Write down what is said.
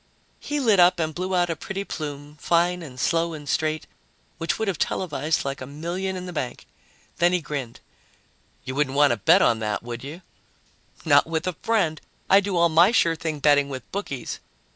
He lit up and blew out a pretty plume, fine and slow and straight, which would have televised like a million in the bank. Then he grinned. "You wouldn't want to bet on that, would you?" "Not with a friend. I do all my sure thing betting with bookies."